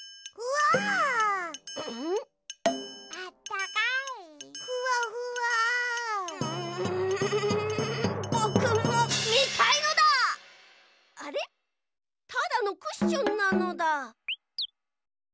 ただのクッションなのだ。